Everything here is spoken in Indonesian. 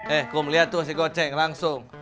eh kum liat tuh si goceng langsung